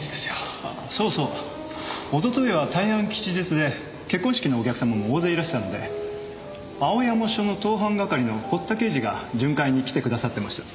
あそうそうおとといは大安吉日で結婚式のお客様も大勢いらしたので青山署の盗犯係の堀田刑事が巡回に来てくださってました。